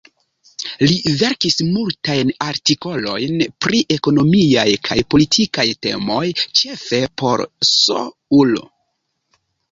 Li verkis multajn artikolojn pri ekonomiaj kaj politikaj temoj, ĉefe por S-ulo.